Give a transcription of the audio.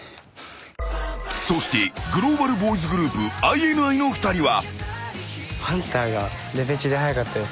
［そしてグローバルボーイズグループＩＮＩの２人は］